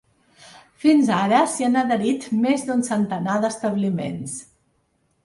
Fins ara, s’hi han adherit més d’un centenar d’establiments.